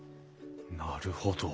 なるほど。